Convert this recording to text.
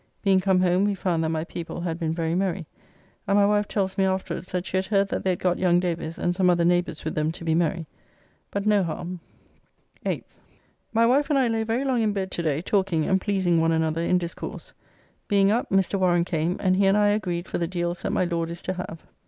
Being come home we found that my people had been very merry, and my wife tells me afterwards that she had heard that they had got young Davis and some other neighbours with them to be merry, but no harm. 8th. My wife and I lay very long in bed to day talking and pleasing one another in discourse. Being up, Mr. Warren came, and he and I agreed for the deals that my Lord is to, have.